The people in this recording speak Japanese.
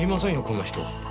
こんな人。